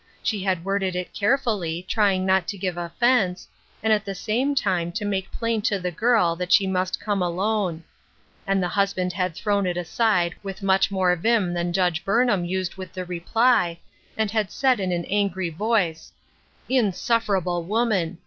She had worded it carefully, trying not to give offense, and at the same time to make plain to the girl that she must come alone ; and the husband had thrown it aside with much more vim than Judge Burnham used with the reply, and had said in an angry voice :" Insufferable woman